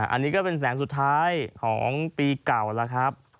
อันนี้ก็เป็นแสงสุดท้ายของปีเก่าแล้วครับ